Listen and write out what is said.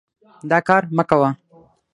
دا کار مه کوه.